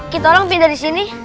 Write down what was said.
kita orang pindah disini